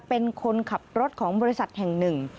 เป็นคนขับรถของบริษัทแห่งหนึ่ง